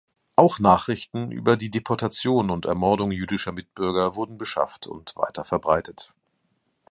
Auch Nachrichten über die Deportation und Ermordung jüdischer Mitbürger wurden beschafft und weiter verbreitet.